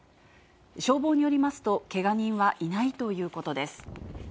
消防によりますと、けが人はいないということです。